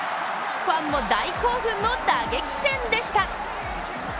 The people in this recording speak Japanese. ファンも大興奮の打撃戦でした。